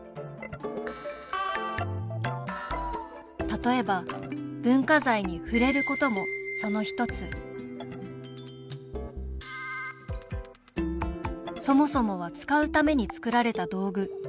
例えば文化財に触れることもその一つそもそもは使うために作られた道具。